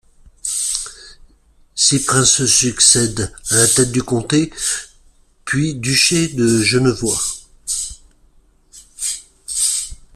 Six princes se succèdent à la tête du comté, puis duché de Genevois.